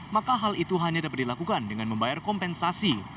maka hal itu hanya dapat dilakukan dengan membayar kompensasi